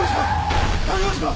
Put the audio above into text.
大丈夫ですか！